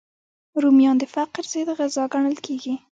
رومیان د فقر ضد غذا ګڼل کېږي